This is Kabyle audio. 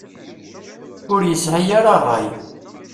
Ur yesɛi ara ṛṛay.